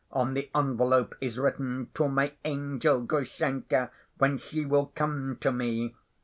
On the envelope is written: 'To my angel, Grushenka, when she will come to me.